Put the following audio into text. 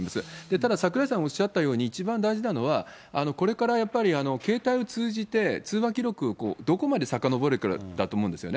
ただ、櫻井さんがおっしゃったように、一番大事なのは、これからやっぱり、携帯を通じて通話記録、どこまでさかのぼれるかだと思うんですよね。